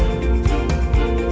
đó là thời điểm đầu bây